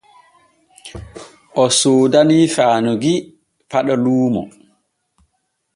O soodanii Faanugui Faɗo luumo.